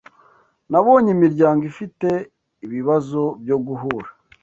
Nabonye imiryango ifite ibibazo byo guhura